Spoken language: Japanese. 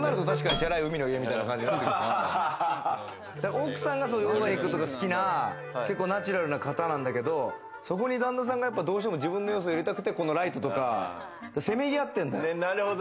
奥さんはオーガニックとか好きなナチュラルな方なんだけれども、そこに旦那さんがどうしても自分の要素を入れたくて、ライトとかせめぎ合ってんだよ。